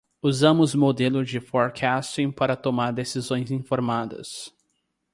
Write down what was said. Usamos modelos de forecasting para tomar decisões informadas.